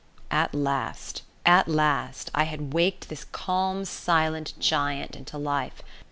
At last! at last! I had waked this calm silent giant into life.